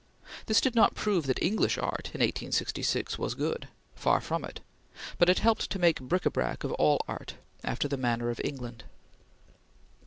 This did not prove that English art, in 1866, was good; far from it; but it helped to make bric a brac of all art, after the manner of England.